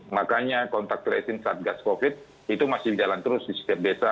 makanya kontak tracing saat gas covid itu masih jalan terus di setiap desa